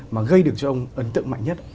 mà gây được cho ông ấn tượng mạnh nhất